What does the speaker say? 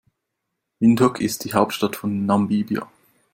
Windhoek ist die Hauptstadt von Namibia.